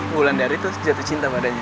bulan dari tuh jatuh cinta padanya